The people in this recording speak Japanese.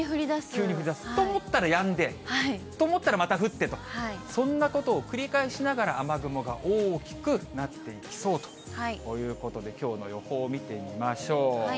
急に降りだす、と思ったらやんで、と思ったらまた降ってと、そんなことを繰り返しながら、雨雲が大きくなっていきそうということで、きょうの予報を見てみましょう。